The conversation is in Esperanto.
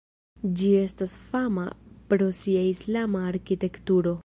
Ĝi estas fama pro sia islama arkitekturo.